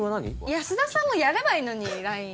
安田さんもやればいいのにＬＩＮＥ。